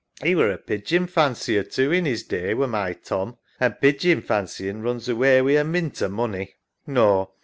'E were a pigeon fancier too in 'is day, were my Tom, an' pigeon fancying runs away wi' a mint o' money. No.